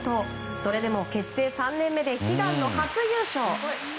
それでも結成３年目で悲願の初優勝。